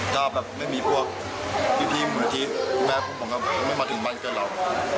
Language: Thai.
ถ้าแบบไม่มีพวกพี่พี่มูลทีแม่พวกมันก็ไม่มาถึงบ้านกับเรา